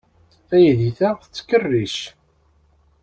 Taydit-a tettkerric.